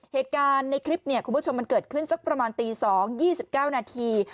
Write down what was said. เหตุการณ์ในคลิปเนี่ยคุณผู้ชมมันเกิดขึ้นสักประมาณตี๒๒๙นาที